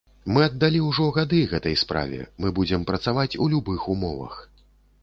Мы аддалі ўжо гады гэтай справе, мы будзем працаваць у любых умовах.